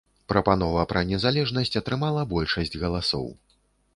Прапанова пра незалежнасць атрымала большасць галасоў.